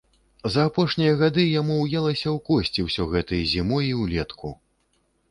За апошнія гады яму ўелася ў косці ўсё гэта і зімой, і ўлетку.